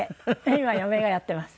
今嫁がやってます。